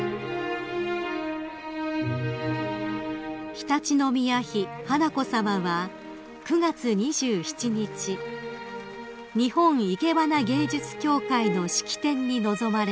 ［常陸宮妃華子さまは９月２７日日本いけばな芸術協会の式典に臨まれました］